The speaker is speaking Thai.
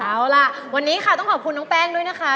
เอาล่ะวันนี้ค่ะต้องขอบคุณน้องแป้งด้วยนะคะ